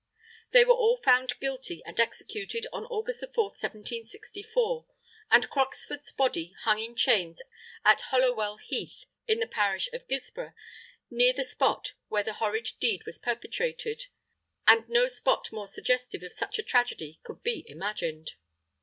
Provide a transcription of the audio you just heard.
They were all found guilty and executed on August 4, 1764, and Croxford's body hung in chains on Hollowell Heath, in the parish of Guilsborough, near the spot where the horrid deed was perpetrated (and no spot more suggestive of such a tragedy could be imagined).